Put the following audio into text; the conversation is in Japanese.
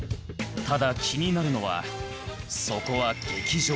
ただ気になるのはそこは劇場。